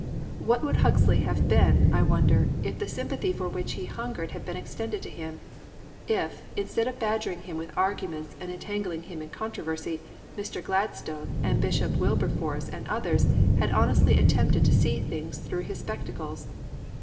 What would Huxley have been, I wonder, if the sympathy for which he hungered had been extended to him? If, instead of badgering him with arguments and entangling him in controversy, Mr. Gladstone and Bishop Wilberforce and others had honestly attempted to see things through his spectacles!